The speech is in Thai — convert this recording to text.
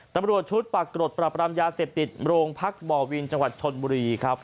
ตำรวจชุดปรากฏปรับรามยาเสพติดโรงพักบ่อวินจังหวัดชนบุรีครับ